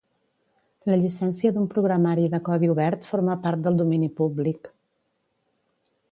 La llicència d'un programari de codi obert forma part del domini públic.